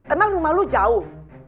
emang rumah lu jauh